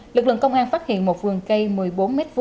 lực lượng công an phát hiện một vườn cây một mươi bốn m hai